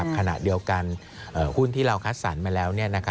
ขณะเดียวกันหุ้นที่เราคัดสรรมาแล้ว